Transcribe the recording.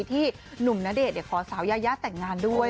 ที่หนุ่มณเดชน์ขอสาวยายาแต่งงานด้วย